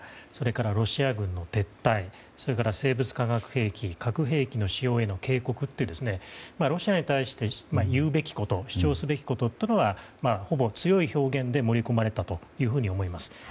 それから、ロシア軍の撤退それから生物・化学兵器核兵器の使用への警告というロシアに対して言うべきこと主張すべきことがほぼ強い表現で盛り込まれたというふうに思います。